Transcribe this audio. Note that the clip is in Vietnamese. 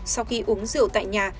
sau khi uống rượu tại nhà